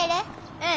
うん。